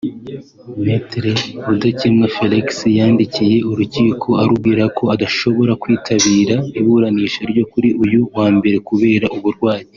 Me Rudakemwa Felix yandikiye urukiko arubwira ko adashobora kwitabira iburanisha ryo kuri uyu wa Mbere kubera uburwayi